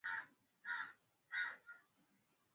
u wanafuga lakini pigo